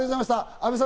阿部さん！